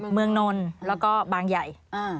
เมืองนนแล้วก็บางใหญ่